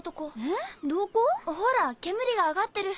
ほら煙が上がってる。